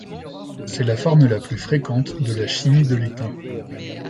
C'est la forme la plus fréquente de la chimie de l'étain.